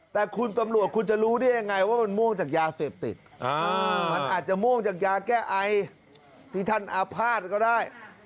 แต่คุณตำรวจคุณจะรู้ได้ยังไงว่ามันม่วงจากยาเสพติดมันอาจจะม่วงจากยาแก้ไอที่ท่านอาภาษณ์ก็ได้